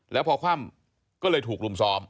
แล้วพอคว่ำก็เลยถูกรุมซ้อม